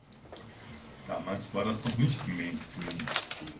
Damals war das noch nicht Mainstream.